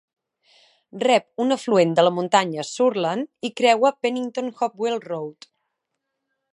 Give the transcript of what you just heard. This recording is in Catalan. Rep un afluent de la muntanya Sourland i creua Pennington-Hopewell Road.